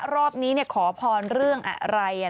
รอบนี้ขอพรเรื่องอะไร